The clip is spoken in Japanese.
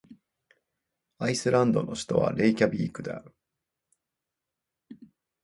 アイスランドの首都はレイキャヴィークである